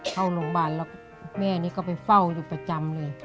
เข้าโรงพยาบาลแล้วแม่นี่ก็ไปเฝ้าอยู่ประจำเลย